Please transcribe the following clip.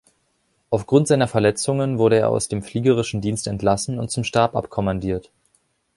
Aufgrund seiner Verletzungen wurde er aus dem fliegerischen Dienst entlassen und zum Stab abkommandiert.